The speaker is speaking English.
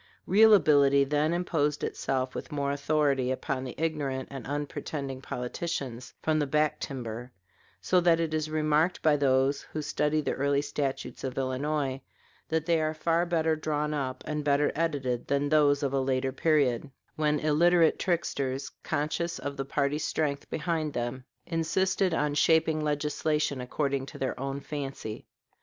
Real ability then imposed itself with more authority upon the ignorant and unpretending politicians from the back timber; so that it is remarked by those who study the early statutes of Illinois that they are far better drawn up, and better edited, than those of a later period, when illiterate tricksters, conscious of the party strength behind them, insisted on shaping legislation according to their own fancy.